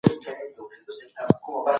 د چا اوښکې مه تویوئ.